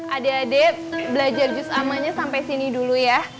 adik adik belajar jus'amanya sampai sini dulu ya